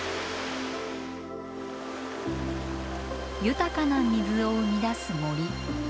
豊かな水を生み出す森。